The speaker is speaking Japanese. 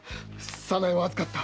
「早苗は預かった。